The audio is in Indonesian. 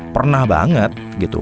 pernah banget gitu